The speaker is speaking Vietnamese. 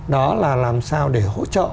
đó là làm sao để hỗ trợ